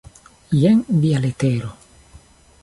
Jen via letero.